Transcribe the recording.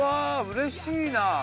うれしいな。